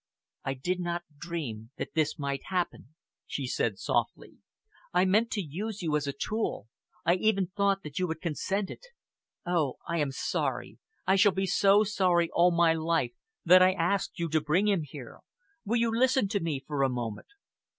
"I did not dream that this might happen," she said softly. "I meant to use you as a tool, I even thought that you had consented. Oh! I am sorry. I shall be sorry all my life that I asked you to bring him here. Will you listen to me for a moment?"